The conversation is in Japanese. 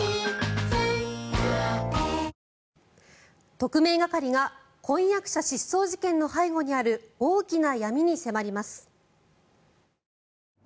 特命係が婚約者失踪事件の背後にある大きな闇に迫ります。